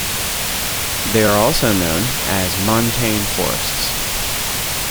They are also known as montane forests.